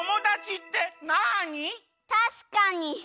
たしかに。